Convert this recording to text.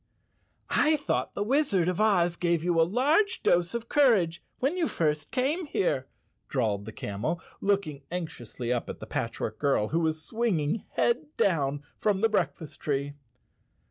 "I thought the Wizard of Oz gave you a large dose of courage when you first came here," drawled the camel, looking anxiously up at the Patchwork Girl, 104 Chapter Eight who was swinging head down from the breakfast tree.